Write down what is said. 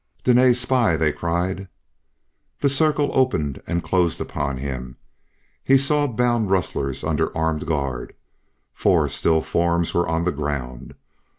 "Dene's spy!" they cried. The circle opened and closed upon him. He saw bound rustlers under armed guard. Four still forms were on the ground.